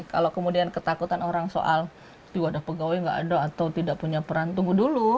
kalau kemudian ketakutan orang soal di wadah pegawai tidak ada atau tidak punya peran tunggu dulu